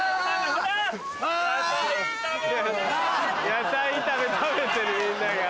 野菜炒め食べてるみんなが。